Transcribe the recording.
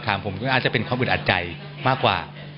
ผมก็อาจจะเป็นความอึดอัดใจมากกว่า